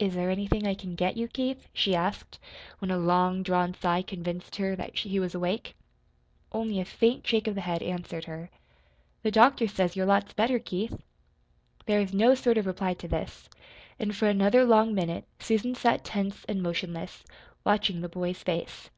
"Is there anything I can get you, Keith?" she asked, when a long drawn sigh convinced her that he was awake. Only a faint shake of the head answered her. "The doctor says you're lots better, Keith." There was no sort of reply to this; and for another long minute Susan sat tense and motionless, watching the boy's face.